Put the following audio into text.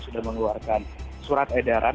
sudah mengeluarkan surat edaran